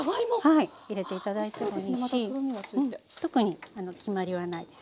特に決まりはないです。